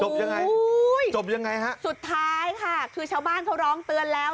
ยังไงอุ้ยจบยังไงฮะสุดท้ายค่ะคือชาวบ้านเขาร้องเตือนแล้ว